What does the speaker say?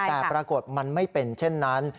แต่ปรากฏมันไม่เป็นเช่นนั้น